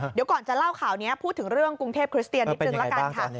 เดี๋ยวก่อนจะเล่าข่าวนี้พูดถึงเรื่องกรุงเทพคริสเตียนนิดนึงละกันค่ะ